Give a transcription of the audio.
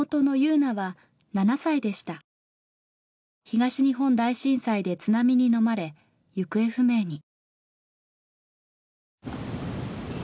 東日本大震災で津波にのまれ行方不明に。